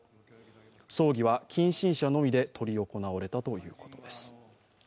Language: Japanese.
葬儀は近親者のみで執り行われたということです。